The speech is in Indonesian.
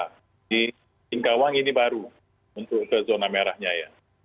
jadi singkawang ini baru untuk ke zona merahnya ya